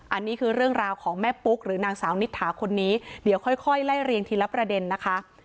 อันนี้คือเรื่องราวของแม่ปุ๊กหรือนางสาวนิษฐาคนนี้เดี๋ยวค่อยไล่เรียงทีละประเด็นนะคะ